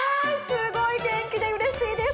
すごいげんきでうれしいです。